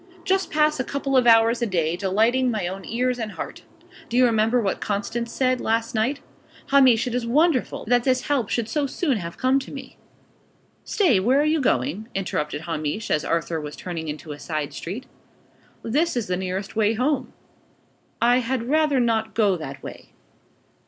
"Just pass a couple of hours a day, delighting my own ears and heart. Do you remember what Constance said, last night? Hamish, it is wonderful, that this help should so soon have come to me!" "Stay! Where are you going?" interrupted Hamish, as Arthur was turning into a side street. "This is the nearest way home." "I had rather not go that way."